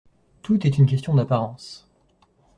Tout est une question d’apparence.